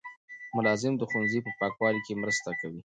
ملازم د ښوونځي په پاکوالي کې مرسته کوي.